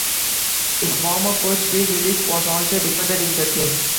His former coach, Steve Riddick, was also a defendant in the case.